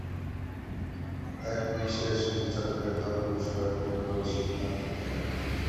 এক বিশেষ বিচারকের দল পুরস্কারটির ব্যাপারে সিদ্ধান্ত দেন।